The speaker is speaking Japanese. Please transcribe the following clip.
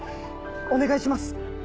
お願いします。